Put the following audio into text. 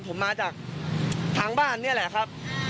ผมมาจากทางบ้านนี่แหละครับ